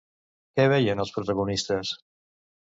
Què veien els protagonistes?